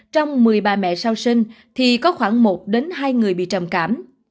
trong một mươi ba mẹ sau sinh thì có khoảng một hai người bị trầm cảm